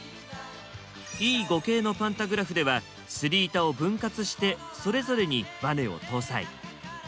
Ｅ５系のパンタグラフではすり板を分割してそれぞれにバネを搭載。